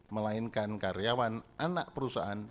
melainkan karyawan anak perusahaan